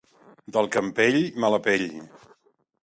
Del Campell, mala pell.